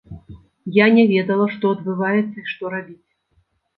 Я не ведала, што адбываецца і што рабіць.